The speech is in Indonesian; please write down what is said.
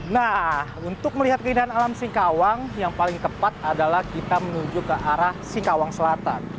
nah untuk melihat keindahan alam singkawang yang paling tepat adalah kita menuju ke arah singkawang selatan